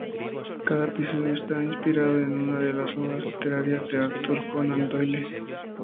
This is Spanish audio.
Cada episodio está inspirado en una de las obras literarias de Arthur Conan Doyle.